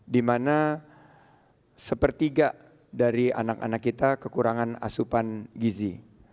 dimana sepertiga dari anak anak kita kekurangan asupan gizi